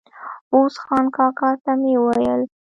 عوض خان کاکا ته مې وویل.